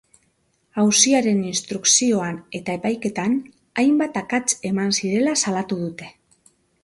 Auziaren instrukzioan eta epaiketan hainbat akats eman zirela salatu dute.